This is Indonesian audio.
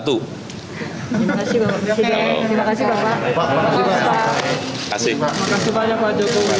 terima kasih pak jokowi